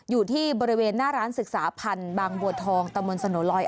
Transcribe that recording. อยู่ที่บริเวณหน้าร้านศึกษาพันธ์บางบัวทองตะมนต์สโนลอย